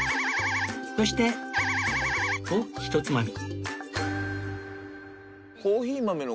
そしてをひとつまみ